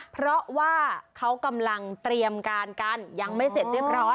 เพราะว่าเขากำลังเตรียมการกันยังไม่เสร็จเรียบร้อย